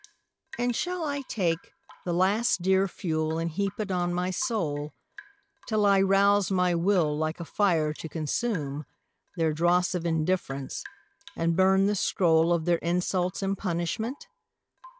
And shall I take The last dear fuel and heap it on my soul Till I rouse my will like a fire to consume Their dross of indifference, and burn the scroll Of their insults in punishment?